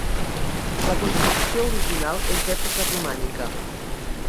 La construcció original és d'època romànica.